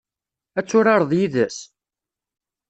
Ad turareḍ yid-s?